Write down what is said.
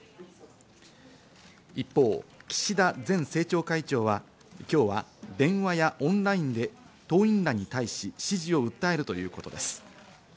一方、岸田前政調会長は今日は電話やオンラインで党員らに対し支持を訴えるということです。